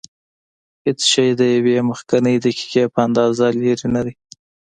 هېڅ شی د یوې مخکنۍ دقیقې په اندازه لرې نه دی.